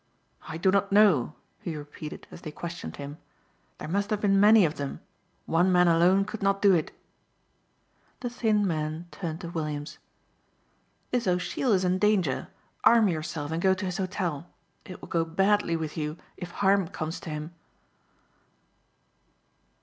"I do not know," he repeated as they questioned him. "There must have been many of them. One man alone could not do it." The thin man turned to Williams: "This O'Sheill is in danger. Arm yourself and go to his hotel. It will go badly with you if harm comes to him."